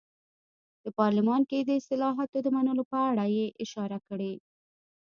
د پارلمان کې د اصلاحاتو د منلو په اړه یې اشاره کړې.